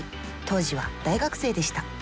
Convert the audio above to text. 当時は大学生でした。